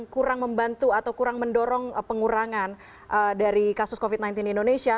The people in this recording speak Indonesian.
kurang membantu atau kurang mendorong pengurangan dari kasus covid sembilan belas di indonesia